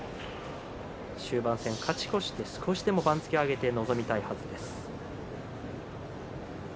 終盤戦、勝ち越して少しでも番付を上げて臨みたいところです。